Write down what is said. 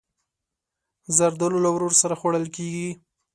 زردالو له ورور سره خوړل کېږي.